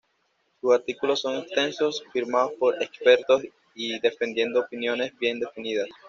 Sus artículos son extensos, firmados por expertos y defendiendo opiniones bien definidas.